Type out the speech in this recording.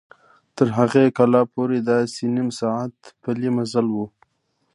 تر هغې کلا پورې داسې نیم ساعت پلي مزل و.